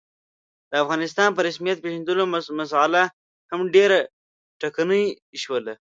د افغانستان په رسمیت پېژندلو مسعله هم ډېره ټکنۍ شوله.